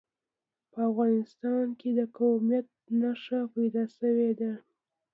په هندوستان کې د قیامت نښانه پیدا شوې ده.